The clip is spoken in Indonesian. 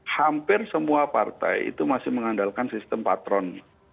hampir semua partai itu masih mengandalkan sistem patron